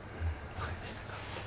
分かりました。